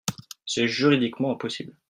C’est juridiquement impossible.